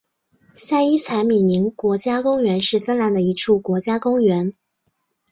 塞伊采米宁国家公园是芬兰的一处国家公园。